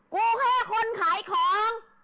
กูแค่คนขายของ